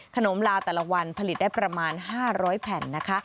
ลาแต่ละวันผลิตได้ประมาณ๕๐๐แผ่นนะคะ